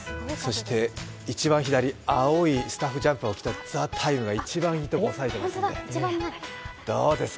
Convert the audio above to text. そして一番左青いスタッフジャンパーを着た「ＴＨＥＴＩＭＥ，」が一番いい位置をとってます。